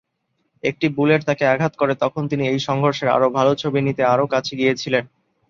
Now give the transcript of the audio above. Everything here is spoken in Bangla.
একটি বুলেট তাকে আঘাত করে তখন তিনি এই সংঘর্ষের আরও ভাল ছবি নিতে আরও কাছে গিয়েছিলেন।